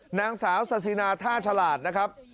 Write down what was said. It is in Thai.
นางสาวสาธินาท่าฉลาดนะครับ